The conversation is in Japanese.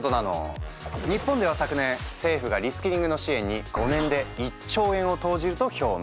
日本では昨年政府がリスキリングの支援に５年で１兆円を投じると表明。